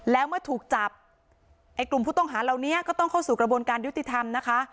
แล้วเมื่อถูกจับไอ้กลุ่มผู้ต้องหาเหล่านี้ก็ต้องเข้าสู่กระบวนการยุติธรรมนะคะ